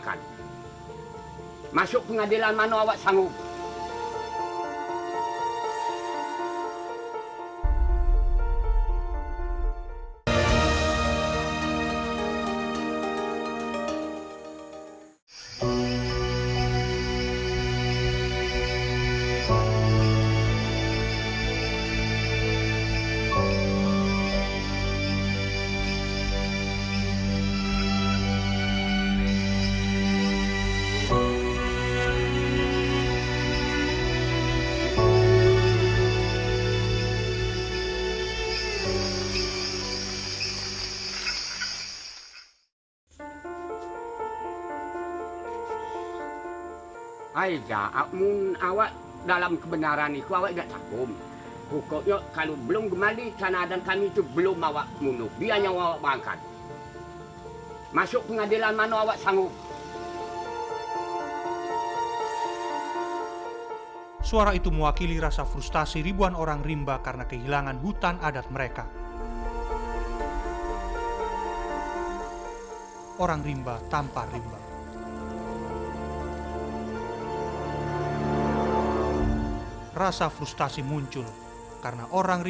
tidak sekali pelanggar di kamar ini elang eropa yang pasti mengalami kehatian dengan very tombok lorenco